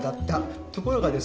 ところがですねえ